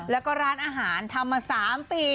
แล้วก็ร้านอาหารทำมา๓ปี